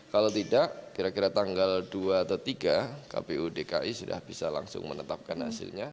kalau tidak kira kira tanggal dua atau tiga kpu dki sudah bisa langsung menetapkan hasilnya